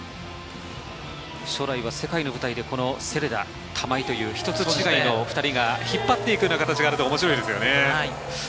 将来は世界の舞台でセレダ、玉井という１つ違いの２人が引っ張っていく形になると面白いですね。